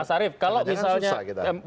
mas arief kalau misalnya